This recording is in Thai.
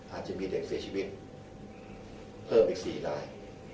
อาจจะมีเด็กเสียชีวิตเพิ่มอีก๔ราย